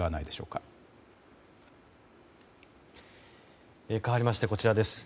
かわりましてこちらです。